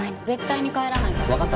絶対に帰らないからね。